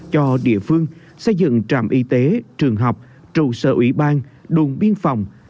cho địa phương xây dựng trạm y tế trường học trụ sở ủy ban đồn biên phòng